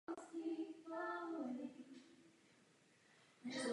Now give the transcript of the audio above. Uzel může být také definován jako "rodič" nebo "potomek".